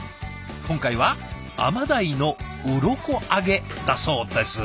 今回は甘ダイのウロコ揚げだそうです。